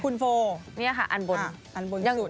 คุณโฟร์เนี่ยค่ะอันบนอันบนสุด